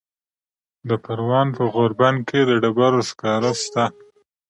د پروان په غوربند کې د ډبرو سکاره شته.